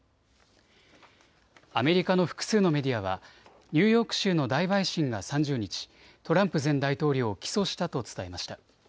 アメリカの複数のメディアはニューヨーク州の大陪審が３０日、トランプ前大統領を起訴したと伝えました。